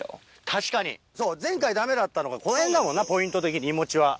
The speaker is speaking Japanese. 確かにそう前回ダメだったのがこの辺だもんなポイント的にいもちは。